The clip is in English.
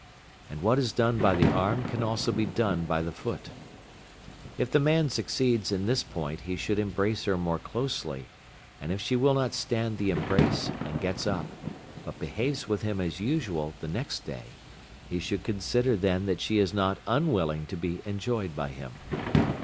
And what is done by the arm can also be done by the foot. If the man succeeds in this point he should embrace her more closely, and if she will not stand the embrace and gets up, but behaves with him as usual the next day, he should consider then that she is not unwilling to be enjoyed by him.